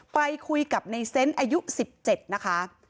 ไปคุยกับในเซนต์อายุ๑๗นะคะ